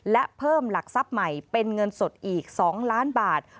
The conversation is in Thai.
และเพิ่มหลักทรัพย์ใหม่เป็นเงินสดอีก๒ล้านบาท